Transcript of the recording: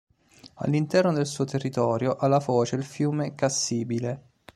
All'interno del suo territorio ha la foce il fiume Cassibile.